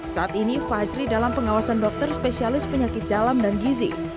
saat ini fajri dalam pengawasan dokter spesialis penyakit dalam dan gizi